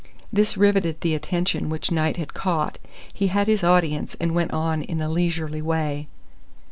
This riveted the attention which Knight had caught. He had his audience, and went on in a leisurely way.